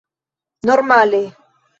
normale